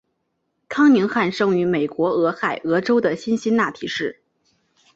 康宁汉生于美国俄亥俄州的辛辛那提市。